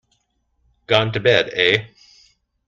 Gone to bed, eh?